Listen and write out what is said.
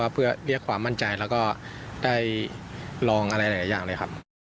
เพื่อเรียกความมั่นใจแล้วก็ได้ลองอะไรหลายอย่างเลยครับ